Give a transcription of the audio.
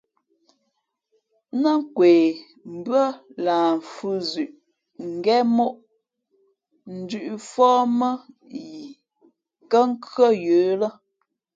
Nά nkwe mbʉ́ά lah mfhʉ̄ zʉʼ ngén móʼ ndʉ̄ʼfóh mά yi kά nkhʉ́ά yə̌ lά.